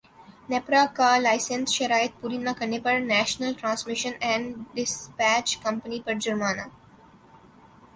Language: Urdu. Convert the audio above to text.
نیپرا کا لائسنس شرائط پوری نہ کرنے پر national transmission and dispatch company پر جرمانہ